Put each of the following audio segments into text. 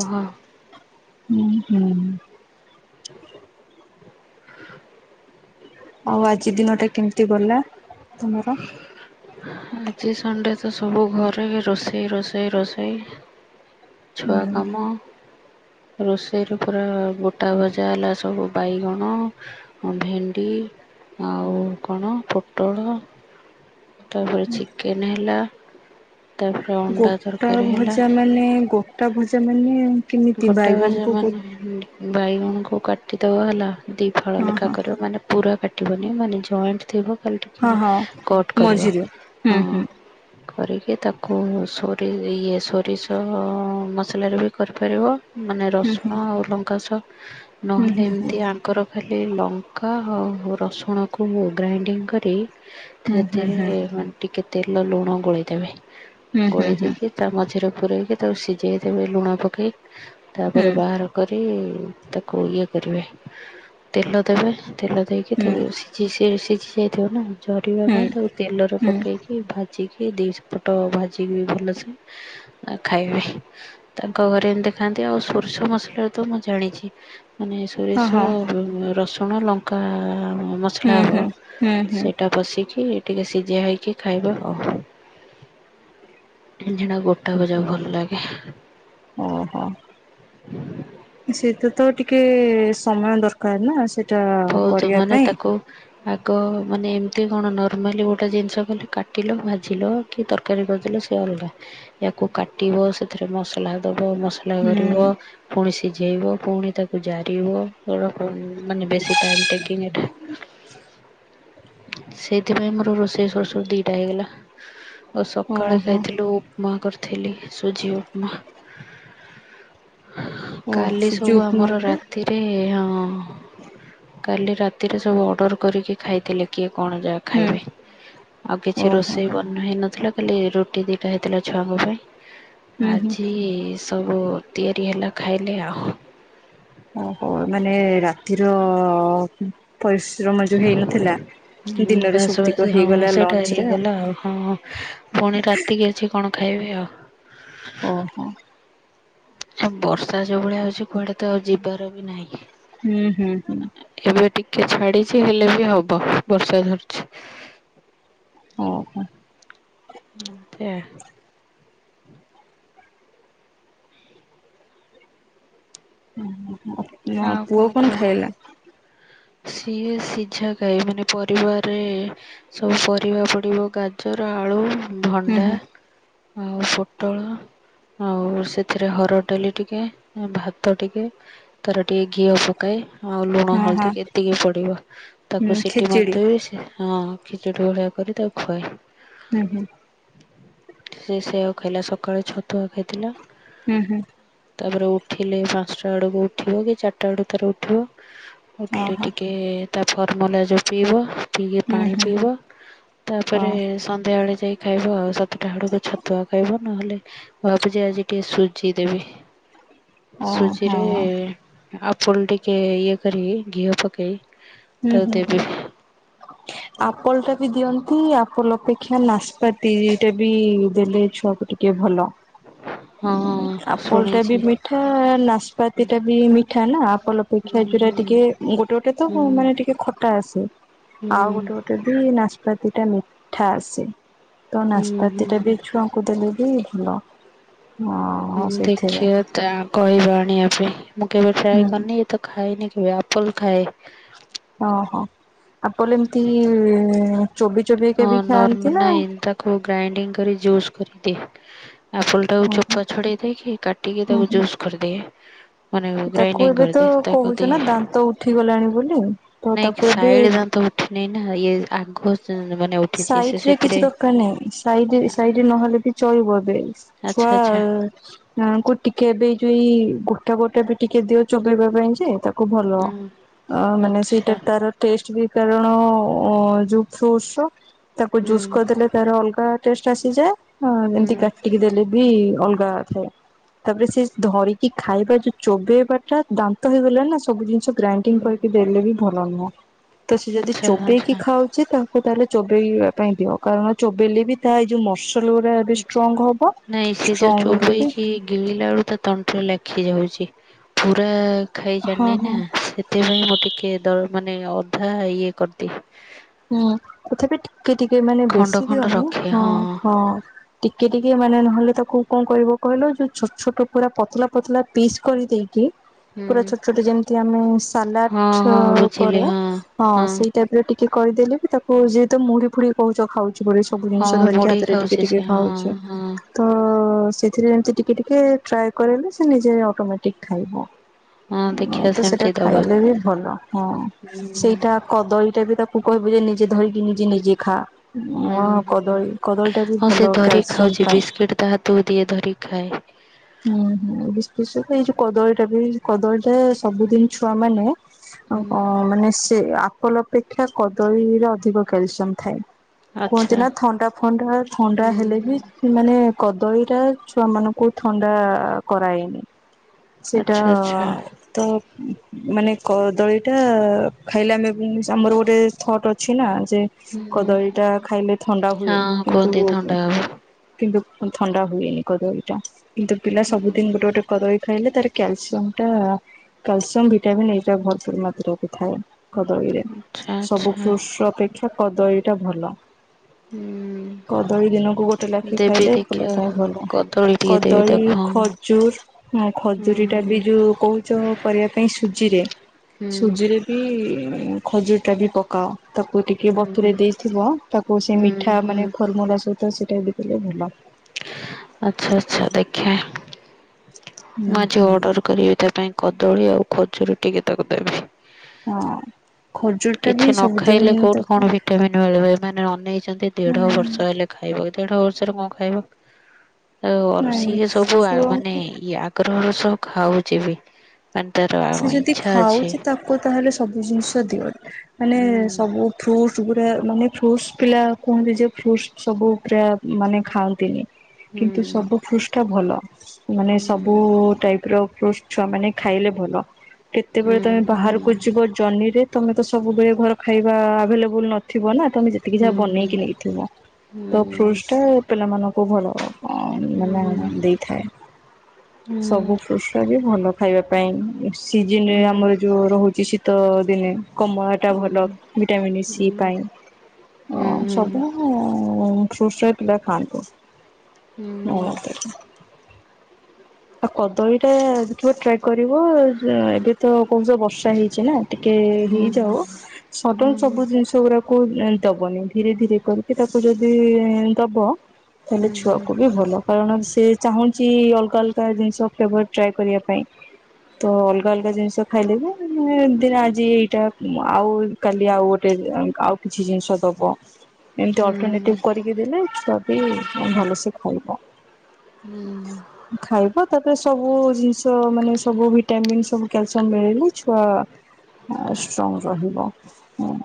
ହଁ। ହୁଁ ହୁଁ। ଆଉ ଆଜି ଦିନ ଟା କେମିତି ଗଲା ତମର? ଆଜି ସଣ୍ଡେ ତ ସବୁ ଘରେ ରୋଷେଇ ରୋଷେଇ ରୋଷେଇ। ଛୁଆ ହୁଁ। କାମ। ରୋଷେଇରେ ପୁରା ଗୋଟା ଭଜା ହେଲା ସବୁ ବାଇଗଣ ଭେଣ୍ଡି ଆଉ କଣ ପୋଟଳ ତାପରେ ଚିକେନ ହେଲା। ତାପରେ ଅଣ୍ଡା ଗୋଟା ତରକାରୀ ହେଲା ଭଜା ମାନେ ଗୋଟା ଭଜା ମାନେ କେମିତି ବାଇଗଣକୁ ଗୋ ବାଇଗଣଙ୍କୁ କାଟିଦବା ହେଲା ଦି ଫଳ ହଁ ଲେଖା ହଁ କରିବ ମାନେ ପୁରା କାଟିବନି ମାନେ ଜଏଣ୍ଟ ଥିବ। ହଁ ଟିକେ ହଁ କଟ କରିବା ମଝିରେ ହୁଁ ହଁ। ହୁଁ କରିକି ତାକୁ ସୋରିଷ ଇଏ ସୋରିଷ ମସଲାରୁ ବି କରିପାରିବ। ମାନେ ହୁଁ ରସୁଣ ହୁଁ। ଆଉ ଲଙ୍କାଶ ହୁଁ ନହେଲେ ହୁଁ ହୁଁ ଏମିତି ଆଙ୍କର ଖାଲି ଲଙ୍କା ଆଉ ରସୁଣକୁ ଗ୍ରାଇଣ୍ଡିଙ୍ଗ କରି ହୁଁ ହୁଁ ହୁଁ ସେଥିରେ ହୁଁ ମାନ ଟିକେ ତେଲ ଲୁଣ ଗୋଳେଇଦବେ ହୁଁ ଗୋଳେଇ ହୁଁ ଦେଇକି ତା ମଝିରେ ପୂରୋଇକି ତାକୁ ସିଝାଇ ଦେେବେ ଲୁଣ ପକେଇକ ତା ହୁଁ ପରେ ବାହାର କରି ତାକୁ ଇଏ କରିବେ ତେଲ ଦେବେ ତେଲ ଦେଇକି ତାକୁ ହୁଁ ସିଏ ସିଝି ଯାଇଥିବ ନା ଝରିବା ପାଇଁ ହୁଁ ତାକୁ ତେଲରେ ହୁଁ। ପକାଇଦେଇଛି। ଭାଜିକି ଦି ସେପଟ ଭାଜିକି ବି ଭଲସେ ଆ ଖାଇବି। ତାଙ୍କ ଘରେ ଏମିତି ଖାନ୍ତି ଆଉ ସୋରିଷ ମସଲା ତ ମୁଁ ଜାଣିଛି ମାନେ ହଁ ସୋରିଷ, ରସୁଣ, ଲଙ୍କା ମସ ମସଲା ହଁ ହୁଁ ହୁଁ ହବ ହୁଁ ହୁଁ ସେଇଟା ବସିଚି ଟିକେ ସିଝା ହେଇକି ଖାଇବା ଆଉ [unintelligible] ଗୋଟା ଭଜା ଭଲ ଲାଗେ। ଓହୋ ସେତ ତ ଟିକେ ସମୟ ଦରକାର ନା ସେ କରିବା ପାଇଁ। ଓ ଆଗ ମାନେ ଏମିତି କଣ ନର୍ମାଲି ଗୋଟେ ଜିନିଷ କହିଲେ କାଟିଲ ଭାଜିଲ। କି ତରକାରୀ କରିଦେଲେ ସେ ଅଲଗା ୟାକୁ କାଟିବ ସେଥିରେ ମସଲା ଦବ ମସ ହୁଁ କରିବ ପୁଣି ସିଝେଇବ ପୁଣି ତାକୁ ଜାରିବ ମାନେ ବେଶୀ ଟାଇମ୍ ଟେକିଂ ଇଟ୍ ସେଇଥିପାଇଁ ମୋର ରୋଷେଇ ସୋର ସୋଡ ଦିଟା ହେଇଗଲା ଆଉ ସକାଳେ ଓହୋ ଖାଇଥିଲୁ। ମା କରିଥିଲି ସୁଜି ଉପମା। ଓ କାଲି ସୁଜି ସବୁ ଆମର ଉପମାକୁ ରାତିରେ ହଁ। କାଲି ରାତିରେ ସବୁ ଅର୍ଡ଼ର କରିକି ଖାଇଥିଲେ କିଏ କଣ ଯାହା ହୁଁ ଖାଇବେ। ଆଉ କିଛି ଓହୋ। ରୋଷେଇ ବର୍ଣ୍ଣ ହେଇନଥିଲା ବୋଲି ଖାଲି ରୁଟି ଦିଟା ହେଇଥିଲା ଛୁଆଙ୍କ ପାଇଁ ହୁଁ ହୁଁ। ଆଜି ସବୁ ତିଆରି ହେଲା ଖାଇଲେ ଆଉ। ଓହୋ ମାନେ ରାତିର ପରିଶ୍ରମ ଯୋଉ ହେଇନଥିଲା। ହୁଁ ଦିନରେ ବାସ ସୌକ୍ତିକ ବାସ ହଁ ହେଇଗଲା ସେଇଟା ଲଞ୍ଚ ରେ ହେଇଗଲା ଆଉ ହଁ ହଁ ପୁଣି ରାତିକି ଅଛି। କଣ ଖାଇବି ଆଉ ଓହୋ। ବର୍ଷା ଯୋଉ ଭଳିଆ ହଉଛି କୁଆଡେ ତ ଆଉ ଯିବାର ବି ନାହିଁ। ହୁଁ ହୁଁ। ଏବେ ଟିକେ ଛାଡିଛି ହେଲେ ବି ହବ ବର୍ଷା ଧରିଛି। ଓହୋ। [unintelligible] ଉଁ ହୁଁ ଆଉ ପୁଅ କଣ ଖାଇଲା? ସିଏ ସିଝା ଖାଏ ମାନେ ପରିବାରେ ସବୁ ପରିବା ପଡିବ ଗାଜର, ଆଳୁ, ହୁଁ ଭଣ୍ଡା ହୁଁ ଆଉ ପୋଟଳ ଆଉ ସେଥିରେ ହର ଡାଲି ଟିକେ ଭାତ ଟିକେ ତାର ଟିକେ ଘିଅ ପ ପକାଇ ଆଉ ଲୁଣ ହଁ ହଁ ହଳଦୀ ଏତିକି ପଡିବ ହୁଁ ତାକୁ ସିଟି ଖେଚେଡି ମାରିଦେବି ସି ହଁ ଖିଚୁଡ଼ି ଭଳିଆ କରି ତାକୁ ଖୁଆଏ। ହୁଁ ହୁଁ। ସେ ସେଆକୁ ଖାଇଲା ସକାଳୁ ଛତୁଆ ଖାଇଥିଲା। ହୁଁ ହୁଁ। ତାପରେ ଉଠିଲେ ପାଞ୍ଚଟା ବେଳକୁ ଉଠିବ କି ଚାରିଟା ବେଳକୁ ତାର ଉଠିବ। ଉଠିଲେ ଓହୋ। ଟିକେ ତା ଫର୍ମୁଲା ଯୋ ପିଇବ। ଟିକିଏ ହୁଁ ପାଣି ହୁଁ। ପିଇବ ହଁ ତାପରେ ସନ୍ଧ୍ୟାବେଳେ ଯାଇକି। ଖାଇବ ଆଉ ସାତଟା ଆଡକୁ ଛତୁଆ ଖାଇବ ନହେଲେ ମୁଁ ଭାବୁଛି ଆଜି ଟିକେ ସୁଜି ଦେବି। ଓହୋ। ଆପୁଲ୍ ଟିକେ ଇଏ କରି ଘିଅ ପକେଇ ହୁଁ ତାକୁ ହୁଁ ଦେବି ହୁଁ। ଆପଲ୍ ଟା ବି ଦିଅନ୍ତି ଆପଲ୍ ଅପେକ୍ଷା ଲାସ୍ପାତିଟା ବି ଦେଲେ ଛୁଆ ଟେ। କିଏ ଭଲ ହଁ। ଆପଲ୍ ଟା ବି ଶୁଣିଛି ମିଠା ନାସ୍ପାତି ଟା ବି ମିଠା ନା ଆପଲ୍ ହୁଁ ଅପେକ୍ଷା ଯୁରା ଟିକେ ଗୋଟେ ଗୋଟେ ତ ହୁଁ ମାନେ ଟିକେ ଖଟା ଆସେ ହୁଁ ଆଉ ଗୋଟେ ଗୋଟେ ବି ନାଚ ନାପାତି ଟା ମିଠା ଆସେ ତ ହୁଁ ହୁଁ ନାସପାତି ଟାବି ଛୁଆ ତା କୁ ଦେଲେ ବି ଭଲ ହଁ। ହୁଁ ଦେଖିବା ତା କହିଵା ଆଣିଵା ପାଇଁ ମୁଁ କେବେ ହୁଁ ଟ୍ରାଏ କରିନି। ତ ଖାଇନି କେବେ ଆପଲ ଖାଏ। ଓହୋ ଆପଲ ଏମିତି ଚୋବି ଚୋବି କେବି ଖାଆନ୍ତି ନା କୁ ଗ୍ରାଇଡିଙ୍ଗ କରି ଜୁଜ କରିଦି ଆପୁଲ ଟାକୁ ଓ ହୁଁ ଚୋପା ଛଡେଇ ଦେଇକିା ଟିକେ ତାକୁ ହୁଁ। ଜୁସ୍ କରିଦିଏ। ମାନେ ତାକୁ ଗ୍ରାଇଣ୍ଡିଙ୍ଗ୍ ଏବେ ତ କରିଦିଏ ତାକୁ କହୁଛ ନା ଦିଏ ଦାନ୍ତ ଉଠିଗଲାଣି ବୋଲି ତ ନାଇଁ ତାକୁ ଏବେ ସାଇଡ୍ ଦାନ୍ତ ନେ ନା ଇଏ ଆଖୁ [unintelligible] ସାଇଡ୍ ରେ କିଛି ଦକାର ନାହିଁ। ସାଇଡ୍ ସାଇଡ୍ ରେ ନହେଲେ ବି ଚଳିବ ଏବେ ଛୁଆ ଆଚ୍ଛା ଆଚ୍ଛା ଆଙ୍କୁ ଟିକେ ଏବେଇ ଯୋଇ ଗୋଟା ଗୋଟା ବି ଟିକେ ଦିଅ ଚୋବେଇବା ପାଇଁ ଯେ ତା କୁ ଭଲ ହୁଁ ଅ ମାନେ ଆଚ୍ଛା ସେଇଟା ତାର ଟେଷ୍ଟ ବି କାରଣ ଯୋଉ ଫ୍ରୁଟ୍ସ ର ତାକୁ ହୁଁ ଜୁସ୍ କରିଦେଲେ ତାର ଅଲଗା ଟେଷ୍ଟ ଆସିଯାଏ [unintelligible] ହୁଁ ଏମିତି କା ଟିକିଏ ଦେଲେ ବି ଅଲଗା ଅ ଥାଏ। ତାପରେ ସେ ଧରିକି ଖାଇବା ଯୋଉ ଚୋବେଇବା ଟା ଦାନ୍ତ ହେଇଗଲା ନା ସବୁ ଜିନିଷ ଗ୍ରାଇଣ୍ଡିଙ୍ଗ ହୁଁ କରିକି ଦେଲେ ବି ଭଲ ନୁହଁ ତ ସେ ଯଦି ଆଚ୍ଛା ଚୋବେଇକି ଆଚ୍ଛା ଖାଉ ତାକୁ ତାହେଲେ ଚୋବେଇବା ପାଇଁ ଦିଅ କାରଣ ଚୋବେଇଲେ ବି ତା ଏଇ ଯୋଉ ମସ ରେ ଏବେ ଷ୍ଟ୍ରଙ୍ଗ ହବ ନାଇଁ ସେ ଯୋଉ ଷ୍ଟ୍ରଙ୍ଗ ହେଲେ ବି ଚୋବେଇକି ଗିଳିଲା ବେଳୁ ତା ତଣ୍ଟି ଲାଖି ଯାଉଛି ପୁରା ଖାଇ ହଁ ଜାନି ନା ହଁ ସେ ପାଇଁ, ମୁଁ ଟିକେ---ମାନେ ଅଧା ଇଏ କର୍ ଦିଏ। ତଥାପି, ଟିକେ ଟିକେ ମାନେ ଖଣ୍ଡ ବେଶି ଖଣ୍ଡ ଦିଅନି। ରଖେ ହଁ ଟିକେ ଟିକେ ମାନେ, ନହେଲେ ତାକୁ କ'ଣ କରିବ କହିଲ? ଯଉ ଛୋଟ୍ ଛୋଟ୍ ପୁରା ପତଲା ପତଲା ପିସ୍ କରି ଦେଇକି। ହୁଁ ପୁରା ଛୋଟ୍ ଛୋଟ ଯେମିତି ଆମେ ହଁ ସାଲାଟ୍ ହଁ ବୁଝିଲି କରୁ। ହଁ ହଁ ସେଇ ଟାଇପ୍ କରିଦେଲେ ବି, ତାକୁ ଯେହେତୁ ମୁଢ଼ି ଫୁଢ଼ି କହୁଚ ଖାଉଚି ବୋ ସବୁ ହଁ ନ୍‌ଷ ଧରିକି, ମୋଡେଇ ହାତରେ ଟିକେ ଖାଉଛି ସେ ଟିକେ ହଁ ଖାଉଚି। ହଁ ସେଇଥିରେ ଏମିତି ଟିକେ ଟିକେ ଟ୍ରାଏ କରିଲେ, ସେ ନିଜେ ଅଟୋମେଟିକ୍ ଖାଇବ। ହଁ ଦେଖିବା ସେଇଟା ସେମିତି ଦବା। ଖାଇଲେ ବି ଭଲ। ହୁଁ ସେଇଟା କଦଳୀଟା ବି ତାକୁ କହିବୁ ଯେ, ନିଜେ ଧରିକି ନିଜେ ନିଜେ ଖା। ହୁଁ ହୁଁ କଦଳୀ, କଦଳୀ ଟା ବି ହଁ ସେ ଭଲ ଧରିକି କ୍ୟାଲ୍‌ସିୟମ୍ ପାଇଁ। [inaudible] [inaudible] ଯଉ କଦଳୀଟା ବି, କଦଳୀଟା ସବୁଦିନ୍‌ ଛୁଆ ମାନେ ହୁଁ ମାନେ ସେ ଆପଲ୍ ଅପେକ୍ଷା, କଦଳୀରେ ଅଧିକ କ୍ୟାଲ୍‌ସିୟମ୍ ଥାଏ। କୁହନ୍ତି ଆଚ୍ଛା। ନା ଥଣ୍ଡା ଫଣ୍ଡା, ଥଣ୍ଡା ହେଲେ ହୁଁ। ବି ମାନେ, କଦଳୀ ଟା ଛୁଆ ମାନଙ୍କୁ ଥଣ୍ଡା କରା--ନି। ସେଟା ଆଚ୍ଛା ଆଚ୍ଛା ତ ମାନେ କଦଳୀଟା, ଖାଇଲେ ଆମେ ଆମର ଗୋଟେ ଥଟ୍ ଅଛି ନା। ଯେ କଦଳୀଟା ଖାଇଲେ ଥଣ୍ଡା ହୁଏ। ହଁ କିନ୍ତୁ କୁହନ୍ତି ଥଣ୍ଡା ହବ। କିନ୍ତୁ ଥଣ୍ଡା ହୁଏନି କଦଦୀଟା, କିନ୍ତୁ ପିଲା ସବୁଦିନ୍‌ ଗୁଟେ କଦଳୀ ଖାଇଲେ ତା'ର କ୍ୟାଲସିୟମ୍ ଟା। କାଲ୍‌ସମ୍, ଭିଟାମନ୍ ଭର୍ ମାତ୍ରରେ ଥାଏ। କଦଳୀରେ, ଆଚ୍ଛା ସବୁ ଆଚ୍ଛା ଫ୍ରୁଟ୍ସ୍ ଅପେକ୍ଷା କଦଳୀଟା ଭଲ। ହୁଁ କଦଳୀ, ଦିନକୁ ଗୋଟେ ଲାଖେ ଦେବି ଖାଇଲେ। ଦେଖିଆ। [inaudible] ଳି, ହଁ ହଁ। ଖଜୁର୍ ହଁ! ଖଜୁରୀ ଟା ବି ହୁଁ। ଯଉ କହୁଚ, କରିବା ପାଇଁ ସୁଜିରେ। ହୁଁ ସୁଜିରେ ଖଜୁରିଟା ବି ପକାଅ। ତା'କୁ ଟିକେ ହୁଁ ହୁଁ ହୁଁ ବତୁରେ ଦେଇଥିବ, ତାକୁ ସେ ମିଠା ମାନେ ଫର୍ମୁଲା [inaudible] [inaudible] ମୁଁ, ଆଜି ହୁଁ ଅଡ଼ର୍ କରିବି ତା' ପାଇଁ କଦଳୀ ଆଉ। ଖଜୁରୀ ଟିକେ ତାକୁ ଦେ ହଁ! ଖଜୁର୍ ଟା ବି ସବୁଦିନ୍‌ ଦବ। ଅନେଇ ଚନ୍ତି ଦେଢ଼ ବର୍ଷ ହେଲେ ଖାଇବ। ଦେଢ଼ ବର୍ଷରେ ଙ୍କ ଖାଇବ? ନାଇଁ ସିଏ, ସବୁ ମାନେ ଛୁଆଙ୍କୁ ଇ ଆଗ୍ରହର ସହ ଖାଉଚି ବି। [inaudible] ସେ ଯଦି ଇଚ୍ଛା ଅଛି ଖାଉଚି, ତାକୁ ତାହେଲେ ସବୁ ଜିନିଷ୍ ଦିଅ। ମାନେ ହୁଁ ସବୁ ଗୁଡ଼ା। ମାନେ ଫ୍ରୁସ୍‌ ପିଲା କୁହନ୍ତି ଯେ, ଫ୍ରୁସ୍‌ ସବୁ ମାନେ ଖାଆନ୍ତିନି। କିନ୍ତୁ, ହୁଁ ସବୁ ଫ୍ରୁସ୍‌ଟା ଭଲ। ମାନେ ହୁଁ ସବୁ ଟାଇପ୍ ର ଛୁଆ ମାନେ ଖାଇଲେ ଭଲ। ହୁଁ କେତେବେଳେ ତମେ ହୁଁ ବାହାର କୁ, ଯିବ ଜନିରେ ତମେ ତ ସବୁବେଳେ ଘର ଖାଇବା ଆଭେଲେବୁଲ୍ ନଥିବ। ନା ତମେ ଯେ ଏତିକି ହୁଁ ହୁଁ ଯାହା ବନେଇକି ହୁଁ ନେଇକିଥିବ, ହୁଁ ହୁଁ ହୁଁ ତ ଫ୍ରୁସ୍‌ଟା ପିଲାମାନଙ୍କୁ ଭଲ। ହୁଁ ହୁଁ ହୁଁ ହୁଁ ହୁଁ ହୁଁ ଦେଇଥାଏ, ସବୁ ଫ୍ରୁସ୍‌ଟା ବି ଭଲ ଖାଇବା ପାଇଁ। ସିଜିନ୍‌ରେ ହୁଁ ହୁଁ ଆମର ଯଉ ରହୁଚି, ଶୀତ ଦିନେ କମଳା ଟା ଭଲ। ଭିଟାମିନି ସି ପାଇଁ। ଫ୍ରୁଟ୍ସ୍ ପିଲା ଖାନ୍ତୁ। [inaudible] [inaudible] ତ, କହୁଚ ବର୍ଷା ହେଇଚି ନା ଟିକେ ହେଇଯାଉ। ସଡନ୍‌ ସବୁ ଜିନ୍‌ କୁ ଦବନି, ଧୀରେ ଧୀରେ କରିକି ତାକୁ ଯଦି ଦବ। ତା'ହେଲେ ଛୁଆ କୁ ବି ଭଲ, କାରଣ ସେ ଚାହୁଁଚି ଅଲ୍‌ଗା ଅଲ୍ଗା ଜିନ୍‌ଷ୍ ଫ୍ଲେବର୍ ଟ୍ରାଏ କରିବା ପାଇଁ। ତ ଅଲଗା ଅଲଗା ଜିନିଷ ଖାଇଲେ ବି ମାନେ ଦିନ ଆଜି ଏଇଟା ଆଉ କାଲି ଆଉ ଗୋଟେ ଆଉ କିଛି ଜିନିଷ ଦବ ଏମିତି ଅଲଟନିଟି କରିକି ଦେଲେ ବି ଭଲସେ ଖାଇବ। ହୁଁ। ଖାଇବ ତାପରେ ସବୁ ଜିନିଷ ମାନେ ସବୁ ଭିଟାମିନ୍ ସବୁ କ୍ୟାଲସିୟମ ମିଳିଲେ ଛୁଆ ହାଡ ଷ୍ଟ୍ରଙ୍ଗ ରହିବ ହୁଁ।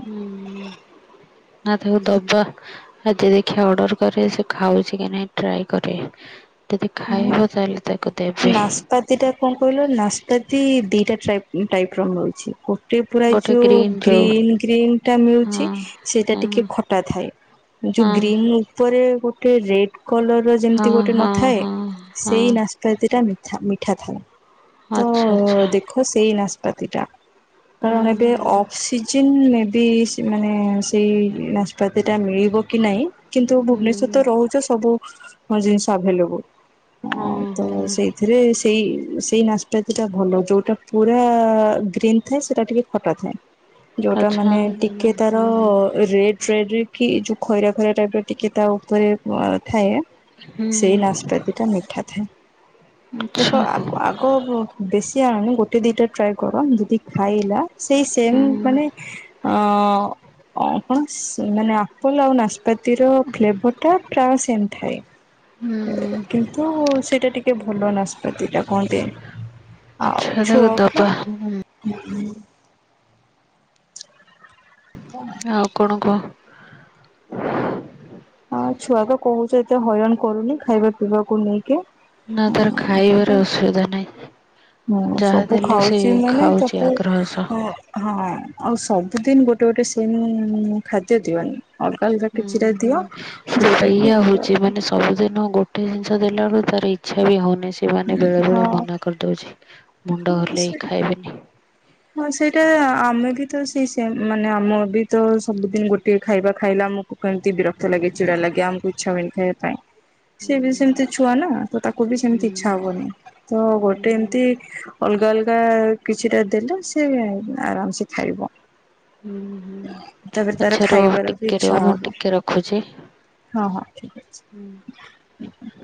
[unintelligible] ଦବା। ଆଜି ଦେଖିବା ଅର୍ଡର କରେ ସେ ଖାଉଛି କି ନାହିଁ ଟ୍ରାଏ କରେ। ଯଦି ଖାଇବ ତାହେଲେ ତାକୁ ଦେବି। ନାପାତି ଟା କଣ କହିଲ ନାଶପାତି ଦିଟା ଟପ ଟାଇପ ର ମିଳୁଛି। ପୁରା ଗୋଟେ ଯୋଉ ଗ୍ରୀନ୍ ଯୋଉ ଗ୍ରୀନ ଗ୍ରୀନ ଟା ହଁ ମିଳୁଛି ସେଟା ହଁ ଟିକେ ଖଟା ଥାଏ। ହଁ ଯୋଉ ଗ୍ରୀନ ଉପରେ ଗୋଟେ ରେଡ କଲର ର ଯେମିତି ଗୋଟେ ହଁ ନଥାଏ। ହଁ ହଁ ହଁ ନାସପାତିଟା ମିଠା ମିଠା ଥାଏ ତ ଆଚ୍ଛା ଆଚ୍ଛା ଦେ ସେଇ ନାଶପାତି ଟା କାରଣ ଏବେ ହୁଁ ସିଜନ୍ ମେବି ମାନେ ସେଇ ନାଚପାତିଟା ମିଳିବ କି ନାହିଁ? କିନ୍ତୁ ଭୁବନେଶ୍ଵର ହୁଁ ତ ରହୁଛ ସବୁ ଜିନିଷ ଆଭେଲେବୁଲ ହଁ ତ ସେଇ ଥିରେ ସେଇ ସେଇ ନାଚପତିଟା ଭଲ ଯୋଉଟା ପୁରା ଗ୍ରୀନ୍ ଥାଏ ସେଟା ଟିକେ ହଟା ଥାଏ ଯୋଉଟା ଆଚ୍ଛା ମାନେ ହୁଁ ଟିକେ ତାର ହୁଁ ରେଡ ରେଡ କି ଯୋଉ ଖଇରା ଖରା ଟାଇପରେ ଟିକେ ତା ଉପରେ ଥାଏ ସେଇ ହୁଁ ନାସ ଟା ମିଠା ଥାଏ ଆଚ୍ଛା ଦେଖ ଆଗ ଓହୋ ବେଶୀ ଆଣନି ଗୋଟେ ଦିଟା ଟ୍ରାଏ କର ଯଦି ଖାଇଲା। ସେଇ ସେମ ହୁଁ ମାନେ ଅ କଣ ମାନେ ଆପଲ ଆଉ ନା ପାତିର ଫ୍ଲେଭର ଟା ପ୍ରାୟ ସେମ ଥାଏ। ହୁଁ। କିନ୍ତୁ ସେଇଟା ଟିକେ ଭଲ ନାଷ୍ପତ୍ତିଟା କୁହନ୍ତି। ଆଉ ଆଚ୍ଛା ତାକୁ ଛୁଆକୁ ଦବା ହୁଁ। [unintelligible] ଆଉ କଣ କହ? ହଁ ଛୁଆ ତ କହୁଛ ଏତେ ହଇରାଣ କରୁନି ଖାଇବା ପିଇବାକୁ ନେଇକି। ନା ତାର ଖାଇବାର ଅସୁବିଧା ନାହିଁ। ହୁଁ ଯାହା ସବୁ ଦେଲେ ସେ ଖାଉଛି ମାନେ ଖାଉଛି ତାକୁ ଆଗ୍ରହ ସହ। ହଁ ଆଉ ସବୁଦିନ ଗୋଟେ ଗୋଟେ ସେମ ଖାଦ୍ୟ ଦିଅନ। ଅଲଗା ଅଲଗା ହୁଁ କିଛିଟା ହୁଁ। ଦିଅ ସେ ଯୋଉଟା କି ସେଇଆ ହଉଛି ମାନେ ସବୁଦିନ ଗୋଟେ ଜିନିଷ ଦେଲା ବେଳକୁ ତାର ଇଚ୍ଛା ବି ହଉନି ସେମାନେ ବେଳେ ହଁ। ବେଳେ ମନା କରି ଉଛି ମୁଣ୍ଡ ହଲେଇ ଖାଇବେନି। ହ ହଁ ସେଇଟା ଆମେ ବି ତ ସେଇ ସେମ ମାନେ ଆମ ବି ତ ସବୁଦିନ ଗୋଟେ ଖାଇବା ଖାଇଲା ଆମକୁ କେମିତି ବିରକ୍ତ ଲାଗେ ଚିଡ଼ା ଲାଗେ ଆମକୁ ଇଚ୍ଛା ହୁଏନି ଖାଇବାକୁ। ସିଏ ବି ହୁଁ ସେମିତି ଛୁଆ ନା ତ ତାକୁ ବି ହୁଁ ସେମିତି ଇଚ୍ଛା ହବନି ତ ଗୋଟେ ଏମତି ହୁଁ ଅଲଗା ଅଲଗା କିଛିଟା ଦେଲେ ସେ ଆରାମ ସେ ଖାଇବ। ହୁଁ ହୁଁ ତାପରେ ତାର ଆଛା ରୁହ ଖାଇବାର ବି ଟିକେ ରୁହ ଇଚ୍ଛା ମୁଁ ହବ ଟିକେ ରଖୁଛି। ହଁ ହଁ ଠିକ ହୁଁ। ଅଛି।